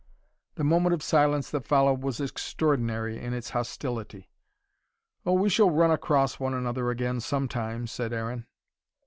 The moment of silence that followed was extraordinary in its hostility. "Oh, we shall run across one another again some time," said Aaron.